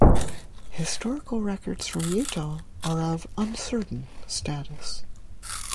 Historical records from Utah are of uncertain status.